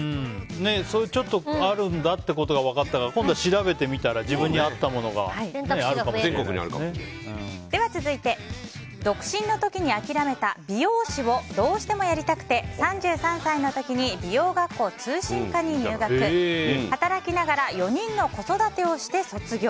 そういうのがあるんだっていうことが分かったから今度は調べてみたら自分に合ったものがでは続いて、独身の時に諦めた美容師をどうしてもやりたくて３３歳の時美容学校通信課に入学働きながら４人の子育てをして卒業。